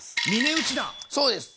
そうです。